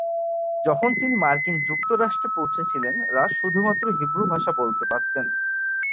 যখন তিনি মার্কিন যুক্তরাষ্ট্রে পৌঁছেছিলেন, রাশ শুধুমাত্র হিব্রু ভাষা বলতে পারতেন।